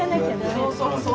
そうそうそうそう。